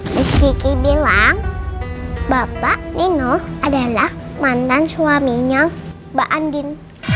meskiki bilang bapak nino adalah mantan suaminya mbak andin